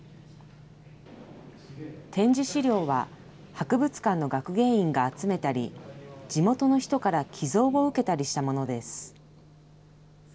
展示資料は博物館の学芸員が集めたり、地元の人から寄贈を受けたりしたものです。